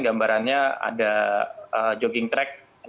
gambarannya ada jogging track